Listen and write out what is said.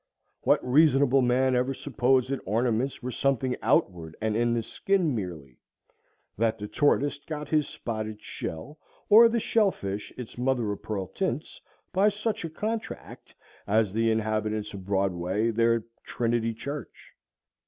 What reasonable man ever supposed that ornaments were something outward and in the skin merely,—that the tortoise got his spotted shell, or the shellfish its mother o' pearl tints, by such a contract as the inhabitants of Broadway their Trinity Church?